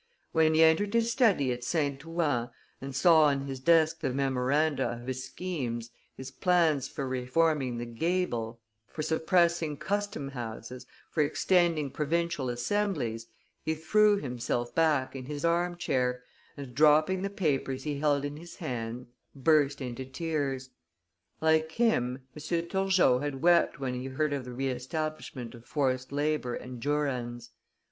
When he entered his study at St. Ouen, and saw on his desk the memoranda of his schemes, his plans for reforming the gabel, for suppressing custom houses, for extending provincial assemblies, he threw himself back in his arm chair, and, dropping the papers he held in his hand, burst into tears. Like him, M. Turgot had wept when he heard of the re establishment of forced labor and jurands.